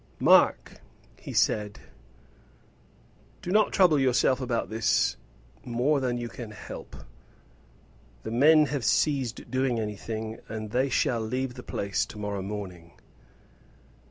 "Mark," he said, "do not trouble yourself about this more than you can help. The men have ceased doing anything, and they shall leave the place to morrow morning."